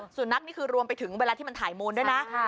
นี่คือรวมไปถึงเวลาที่มันถ่ายมูลด้วยนะ